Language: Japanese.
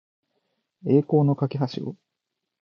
栄光の架橋を